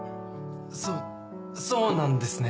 そそうなんですね。